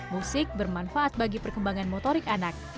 musik bermanfaat bagi perkembangan motorik anak